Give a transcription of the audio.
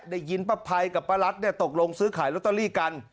ได้ยินป้าภัยกับป้ารัฐตกลงซื้อขายลอตเตอรี่กัน